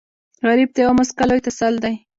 غریب ته یوه موسکا لوی تسل دی